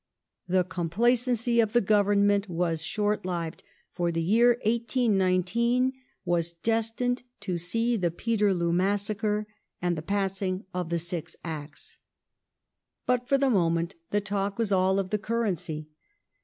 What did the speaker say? ^ The complacency of the Government was short lived : for the r year 1819 was destined to see the Peterloo Massacre, and the passing of the Six Acts. But for the moment the talk was all of the currency.